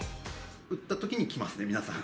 打ったときに来ますね、皆さん。